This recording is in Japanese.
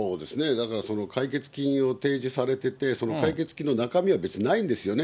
だから、解決金を提示されてて、その解決金の中身はないんですよね。